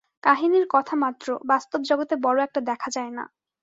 কাহিনীর কথা মাত্র, বাস্তব জগতে বড় একটা দেখা যায় না।